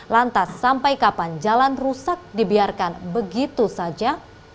lantas sampai kapan jalan rusak dibiarkan begitu saja